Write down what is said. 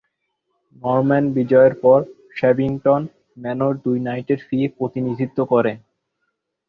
Norman বিজয়ের পর, শাবিংটন ম্যানর দুই নাইটের ফি প্রতিনিধিত্ব করে।